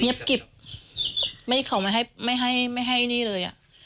กิบไม่เขาไม่ให้ไม่ให้ไม่ให้นี่เลยอ่ะ